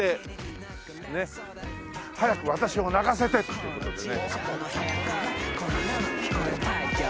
「早く私を泣かせて！」っていう事でね。